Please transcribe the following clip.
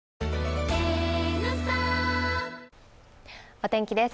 お天気です。